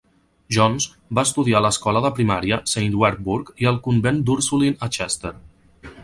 Jones va estudiar a l'escola de primària Saint Werburgh i al Convent d'Ursuline a Chester.